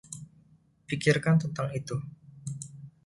Pikirkan tentang itu.